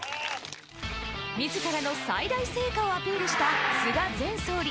みずからの最大成果をアピールした菅前総理。